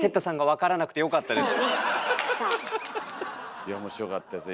いや面白かったですね。